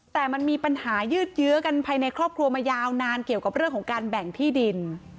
แต่มันมีปัญหายืดเยื้อกันภายในครอบครัวมายาวนานเกี่ยวกับเรื่องของการแบ่งที่ดิน